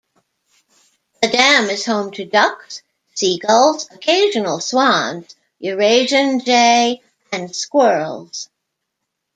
The dam is home to ducks, seagulls, occasional swans, Eurasian jay and squirrels.